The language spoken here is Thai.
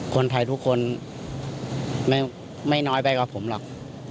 คนไทยทุกคนไม่น้อยไปกว่าผมหรอก